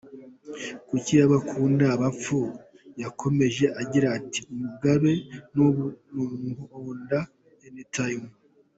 Kuki bakunda abapfu?…” Yakomeje agira ati:” Mugabe n’ubu bamuhonda any time”.